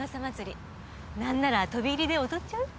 なんなら飛び入りで踊っちゃう？